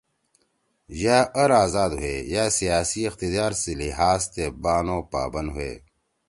یا ار آذاد ہوے یا سیاسی اقتدار سی لحاظ تے بان او پابند ہوے۔